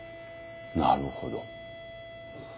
なるほど。